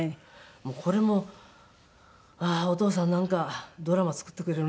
もうこれもああお父さんなんかドラマ作ってくれるなと思って。